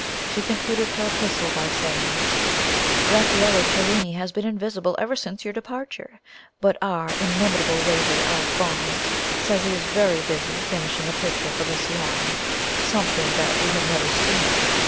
She concluded her epistle by saying: "Raffaello Cellini has been invisible ever since your departure, but our inimitable waiter, Alphonse, says he is very busy finishing a picture for the Salon something that we have never seen.